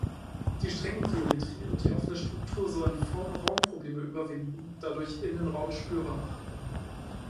Die strenge Geometrie und die offene Struktur sollen Form-Raum-Probleme überwinden, dadurch Innenraum spürbar machen.